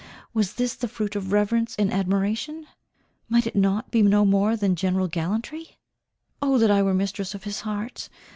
was this the fruit of reverence and admiration? Might it not be no more than general gallantry? Oh that I were mistress of his heart!